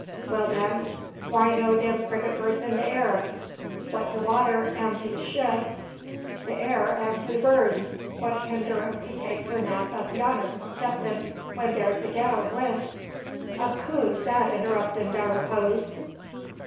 Well, den: why no dem frigate birds in de air? What de water am to de ship de air am to de birds. What hinder 'em to take dar nap up yonner, 'ceptin' when dar's a gale ob wind? Ob coos dat u'd interrup' dar repose."